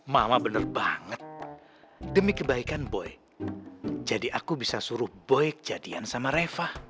mama bener banget demi kebaikan boy jadi aku bisa suruh boy jadian sama reva